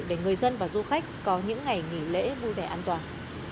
để người dân và du khách có những ngày nghỉ lễ vui vẻ an toàn